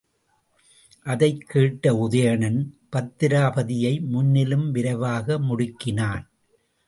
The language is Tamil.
அதைக் கேட்ட உதயணன் பத்திராபதியை முன்னிலும் விரைவாக முடுக்கினான்.